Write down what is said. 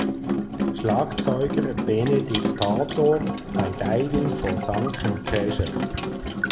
Schlagzeuger Bene Diktator bei Diving For Sunken Treasure.